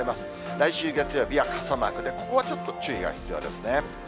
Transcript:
来週月曜日は傘マークで、ここはちょっと注意が必要ですね。